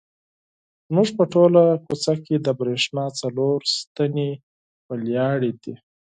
زموږ په ټوله کوڅه کې د برېښنا څلور ستنې ولاړې دي.